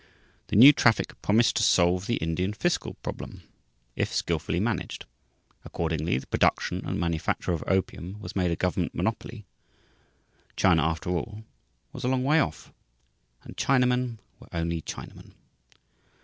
The new traffic promised to solve the Indian fiscal problem, if skillfully managed; accordingly, the production and manufacture of opium was made a government monopoly. China, after all, was a long way off and Chinamen were only Chinamen.